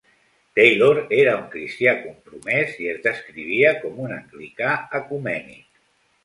Taylor era un cristià compromès i es descrivia com un anglicà ecumènic.